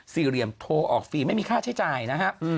สี่เหลี่ยมโทรออกฟรีไม่มีค่าใช้จ่ายนะฮะ